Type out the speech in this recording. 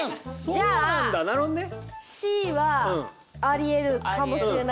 じゃあＣはありえるかもしれない。